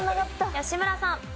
吉村さん。